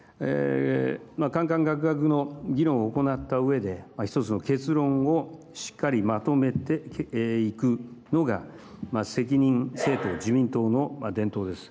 かんかんがくがくの議論を行った上で１つの結論をしっかりまとめていくのが責任政党、自民党の伝統です。